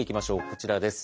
こちらです。